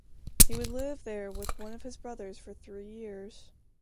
He would live there with one of his brothers for three years.